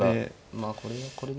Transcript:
まあこれはこれで。